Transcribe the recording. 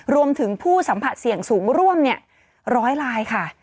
รวมถึงผู้สัมผัสเสี่ยงสูงร่วม๑๐๐ลายค่ะ